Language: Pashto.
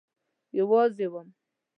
یوازی وم